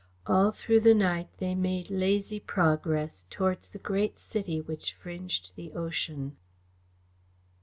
All through the night they made lazy progress towards the great city which fringed the ocean.